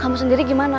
kamu sendiri gimana